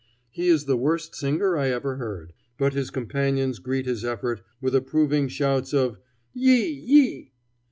He is the worst singer I ever heard; but his companions greet his effort with approving shouts of "Yi!